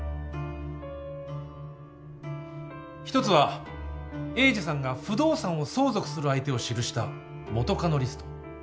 一つは栄治さんが不動産を相続する相手を記した元カノリスト。